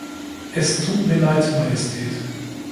Es tut mir leid, Majestät.